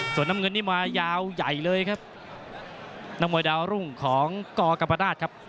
ส่วนน้ำเงินนี่มายาวใหญ่เลยครับนักมวยดาวรุ่งของกกรรมราชครับ